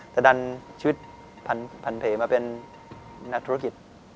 แต่ดันชีวิตพันเพลมาเป็นนักธุรกิจ